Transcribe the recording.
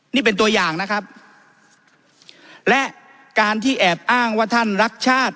นี่เป็นตัวอย่างนะครับและการที่แอบอ้างว่าท่านรักชาติ